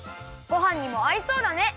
ごはんにもあいそうだね！